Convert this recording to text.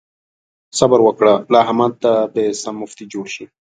صبر وکړه؛ له احمده به سم مفتي جوړ شي.